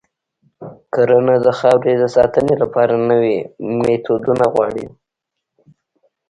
کرنه د خاورې د ساتنې لپاره نوي میتودونه غواړي.